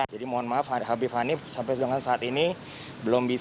mohon maaf habib hanif sampai dengan saat ini belum bisa